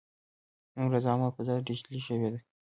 نن ورځ عامه فضا ډیجیټلي شوې ده.